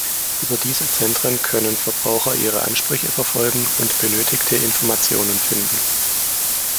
Über diese Zentren können Verbraucher ihre Ansprüche verfolgen und benötigte Informationen finden.